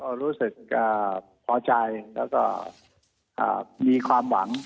ก็รู้สึกพอใจแล้วก็มีความหวัง